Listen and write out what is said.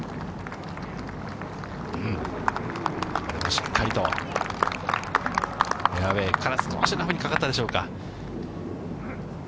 しっかりとフェアウエーから少し芝生にかかったでしょうか。